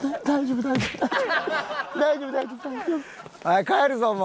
大丈夫だよ。